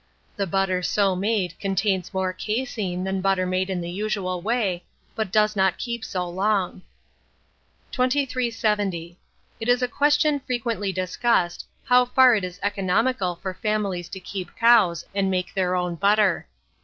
The butter so made contains more caseine than butter made in the usual way, but does not keep so long. 2370. It is a question frequently discussed, how far it is economical for families to keep cows and make their own butter.